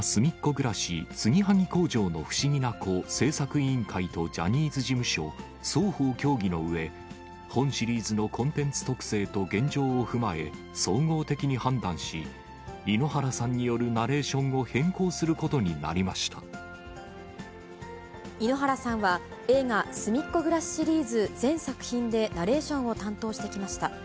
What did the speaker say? ぐらしツギハギ工場のふしぎなコ製作委員会とジャニーズ事務所、双方協議のうえ、本シリーズのコンテンツ特性と現状を踏まえ、総合的に判断し、井ノ原さんによるナレーションを変更する井ノ原さんは、映画、すみっコぐらしシリーズ全作品でナレーションを担当してきました。